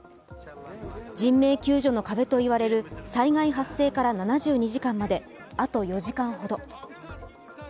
人命救助の壁と言われる災害発生から７２時間まであと４時間ほど。